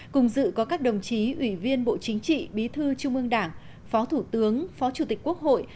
cùng dự có các đồng chí ủy viên bộ chính trị bí thư trung ương đảng phó thủ tướng phó chủ tịch quốc hội